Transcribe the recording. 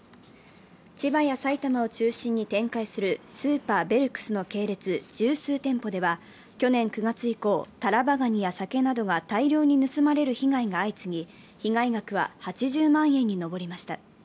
千葉や埼玉を中心に展開するスーパーベルクスの系列十数店舗では、去年９月以降、タラバガニや酒などが大量に盗まれる被害が相次ぎ、被害額は８０万円に上りました。